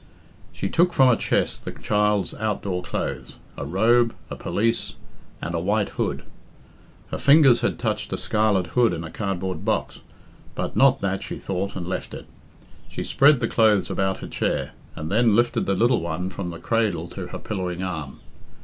She took from a chest the child's outdoor clothes a robe, a pelisse, and a white hood. Her fingers had touched a scarlet hood in a cardboard box, but "not that" she thought, and left it. She spread the clothes about her chair, and then lifted the little one from the cradle to her pillowing arm.